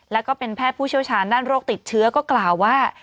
แล้วก็เป็นแพทย์ผู้เชี่ยวชาญด้านโรคติดเชื้อก็กล่าวว่า